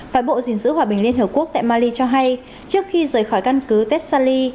phái bộ dình giữ hòa bình liên hợp quốc tại mali cho hay trước khi rời khỏi căn cứ tessali